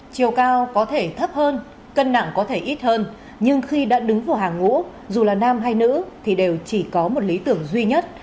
chiều cao có thể thấp hơn cân nặng có thể ít hơn nhưng khi đã đứng vào hàng ngũ dù là nam hay nữ thì đều chỉ có một lý tưởng duy nhất